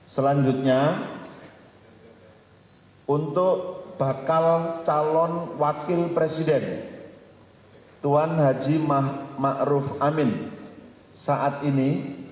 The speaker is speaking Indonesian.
selanjutnya untuk bakal calon wakil presiden tuan haji ma'ruf amin saat ini